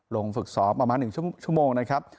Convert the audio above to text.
ลงฝึกซ้อมประมาณ๑ชั่วโมงนะครับ